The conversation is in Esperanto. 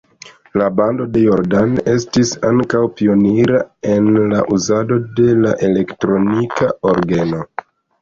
La bando de Jordan estis ankaŭ pionira en la uzado de la elektronika orgeno.